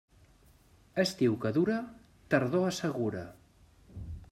Estiu que dura, tardor assegura.